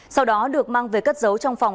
sau đó được mang về cất giấu trong phòng